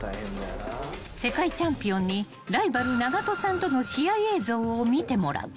［世界チャンピオンにライバル長門さんとの試合映像を見てもらう］